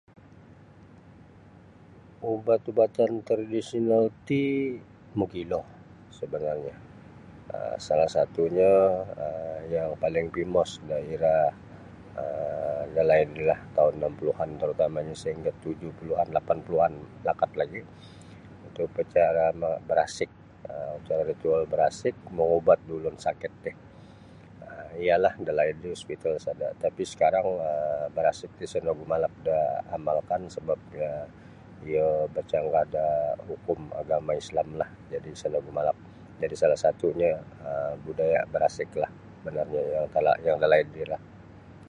Ubat-ubatan tradisional ti mogilo sabanarnyo um salah satunyo um yang paling famous no iro um dalaid ri lah taun anak puluan terutamanyo sahingga tujuh puluan lapan puluan lakat lagi upacara barasik um upacara ritual barasik mangubat da ulun sakit ti um iyalah da laid ri hospital sada tapi sakarang um barasik ti isa no gu malap da amalkan sababnyo um iyo barcanggah da hukum agama islamlah jadi isa no gu malap jadi salah satunyo um budaya barasiklah sabanarnyo yang um jangka laid ri lah.